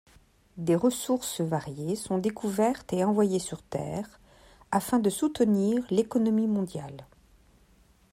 Des ressources variées sont découvertes et envoyées sur Terre afin de soutenir l'économie mondiale.